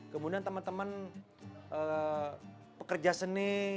kemudian teman teman pekerja seni